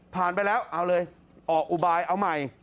ไปแล้วเอาเลยออกอุบายเอาใหม่